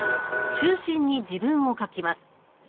中心に自分を描きます。